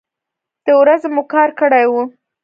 د ورځې مو کار کړی و.